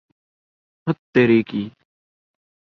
ہت تیرے کی!